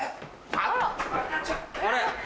あれ？